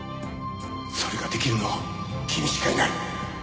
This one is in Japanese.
それができるのは君しかいない！